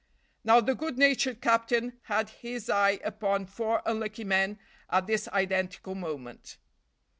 Now the good natured captain had his eye upon four unlucky men at this identical moment.